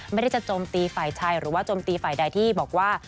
ไม่ได้จะโจมตีฝ่ายชายหรือว่าโจมตีฝ่ายใดที่บอกว่า